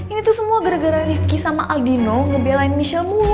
ini tuh semua gara gara rifqi sama aldino ngebelain michelle mulu